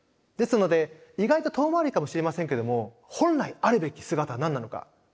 ですので意外と遠回りかもしれませんけども本来あるべき姿は何なのか。